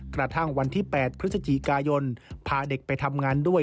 กระทั่งวันที่๘พฤศจิกายนพาเด็กไปทำงานด้วย